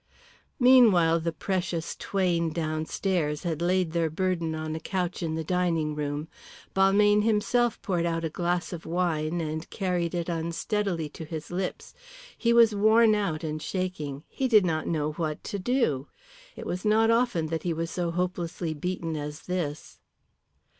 Meanwhile the precious twain downstairs had laid their burden on a couch in the dining room. Balmayne himself poured out a glass of wine, and carried it unsteadily to his lips. He was worn out and shaking; he did not know what to do. It was not often that he was so hopelessly beaten as this.